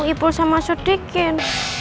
ipul sama sudikin